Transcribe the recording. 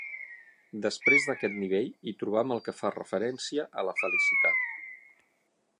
Després d'aquest nivell hi trobam el que fa referència a la felicitat.